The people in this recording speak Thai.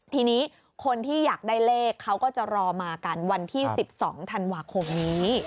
ทีนี้คนที่อยากได้เลขเขาก็จะรอมากันวันที่๑๒ธันวาคมนี้